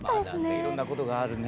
いろんなことがあるね